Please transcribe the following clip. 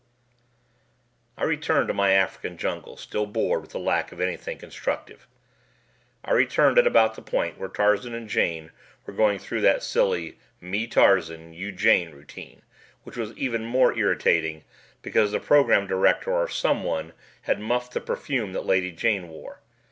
I returned to my African jungle still bored with the lack of anything constructive. I returned at about the point where Tarzan and Jane were going through that silly, "Me Tarzan; You Jane" routine which was even more irritating because the program director or someone had muffed the perfume that the Lady Jane wore.